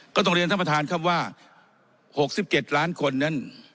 ต้องเรียนท่านประธานครับว่า๖๗ล้านคนนั้น